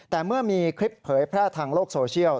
แต่เมื่อมีคลิปเผยพระถังโลกโทรเซียล